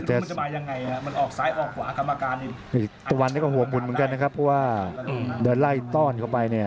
เอกตะวันก็หัวหมุนเหมือนกันนะครับเพราะว่าจะไล่ต้อนเข้าไปเนี่ย